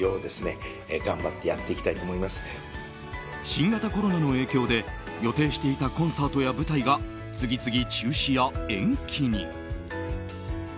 新型コロナの影響で予定していたコンサートや舞台が次々、中止や延期に。